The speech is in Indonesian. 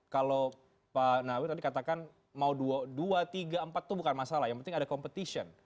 kalau pak nawir tadi katakan mau dua tiga empat itu bukan masalah yang penting ada competition